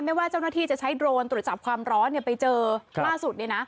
ไม่ว่าเจ้าหน้าที่จะใช้โดรนตรวจจับความร้อนเนี่ยไปเจอล่าสุดเนี่ยนะ